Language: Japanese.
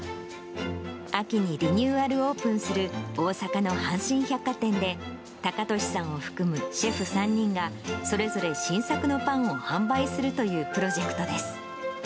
秋にリニューアルオープンする大阪の阪神百貨店で、隆敏さんを含むシェフ３人が、それぞれ新作のパンを販売するというプロジェクトです。